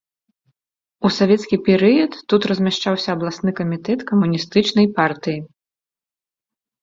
У савецкі перыяд тут размяшчаўся абласны камітэт камуністычнай партыі.